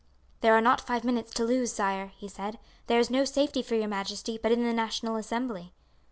"'There are not five minutes to lose, sire,' he said. 'There is no safety for your majesty but in the National Assembly.'